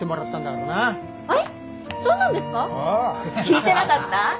聞いてなかった？